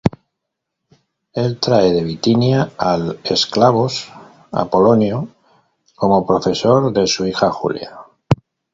Él trae de Bitinia al esclavos Apolonio como profesor de su hija Julia.